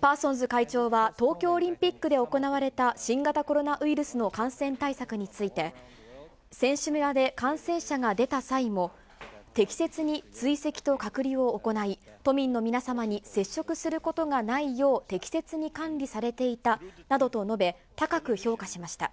パーソンズ会長は東京オリンピックで行われた新型コロナウイルスの感染対策について、選手村で感染者が出た際も、適切に追跡と隔離を行い、都民の皆様に接触することがないよう、適切に管理されていたなどと述べ、高く評価しました。